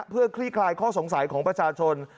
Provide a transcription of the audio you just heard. เพื่อคลี่คลายข้อสงสัยของประชาชน